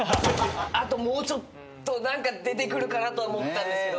あともうちょっと何か出てくるかなと思ったんですけど。